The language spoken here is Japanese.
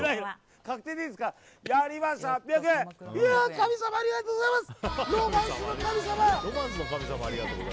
神様ありがとうございます。